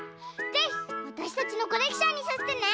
ぜひわたしたちのコレクションにさせてね。